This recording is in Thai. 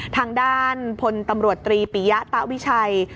ทางด้านพลตำรวจตรีปิยะตะวิชัย